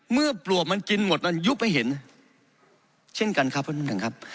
ปลวกมันกินหมดมันยุบให้เห็นเช่นกันครับเพราะท่านหนึ่งครับ